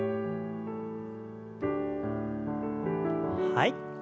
はい。